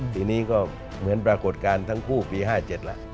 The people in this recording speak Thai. ทีนี้ก็เหมือนปรากฏการณ์ทั้งคู่ปี๕๗แหละ